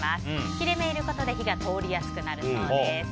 切れ目を入れることで火が通りやすくなるそうです。